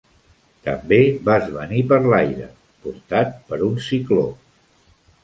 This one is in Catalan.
També vas venir per l'aire, portat per un cicló.